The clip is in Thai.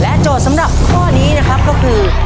โจทย์สำหรับข้อนี้นะครับก็คือ